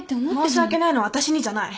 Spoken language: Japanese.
申し訳ないのは私にじゃない。